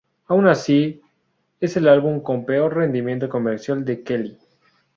Aun así, es el álbum con peor rendimiento comercial de Kelly.